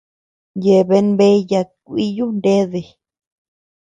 Yeabean bea yat kúiyu nede.